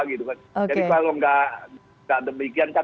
kalau tidak ada begitu